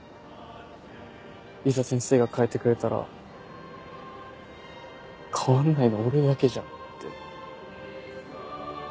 いざ先生が変えてくれたら変わんないの俺だけじゃんって。